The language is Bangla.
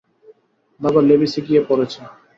বাবা লেভিসে গিয়ে পড়েছে।